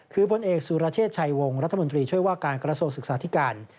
คือพลเอกสุรเชษฐ์ชัยวงรัฐมนตรีช่วยว่าการกระทรวงศึกษาธิการ